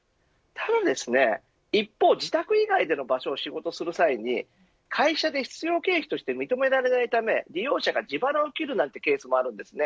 ただ一方で自宅以外の場所で仕事する際に会社で必要経費として認められないため利用者が自腹を切るケースもあります。